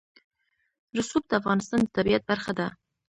رسوب د افغانستان د طبیعت برخه ده.